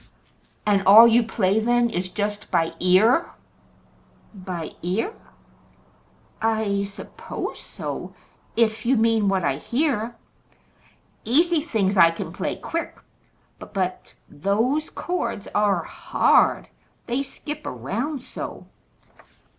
"And all you play then is just by ear?" "By ear? I suppose so if you mean what I hear. Easy things I can play quick, but but those chords ARE hard; they skip around so!"